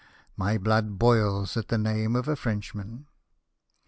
My blood boils at the name of a French man